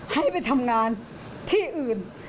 ให้ไปทำงานที่อื่น